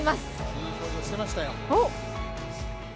いい表情してましたよ。